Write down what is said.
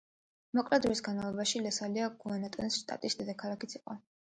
მოკლე დროის განმავლობაში, სელაია გუანახუატოს შტატის დედაქალაქიც იყო.